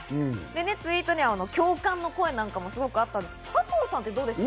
ツイートには共感の声なんかも、すごくあったそうですけど、加藤さんはどうですか？